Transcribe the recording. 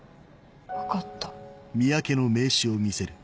分かった。